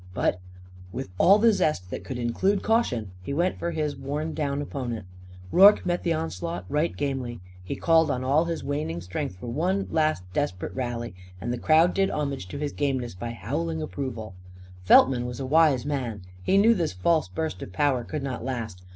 But, with all the zest that could include caution, he went for his worn down opponent. Rorke met the onslaught right gamely. He called on all his waning strength for one last desperate rally. And the crowd did homage to his gameness by howling approval. Feltman was a wise man. He knew this false burst of power could not last.